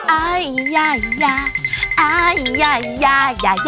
อ่าอียาอียาอ่าอียาอียาอียา